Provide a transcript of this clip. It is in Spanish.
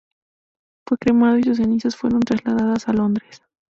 Fue cremado y sus cenizas fueron trasladadas a Londres.